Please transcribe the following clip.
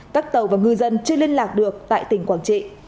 các tàu và ngư dân chưa liên lạc được tại tỉnh quảng trị